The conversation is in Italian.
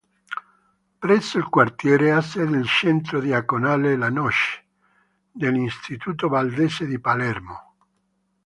Presso il quartiere ha sede il Centro Diaconale "La Noce" dell'Istituto Valdese di Palermo.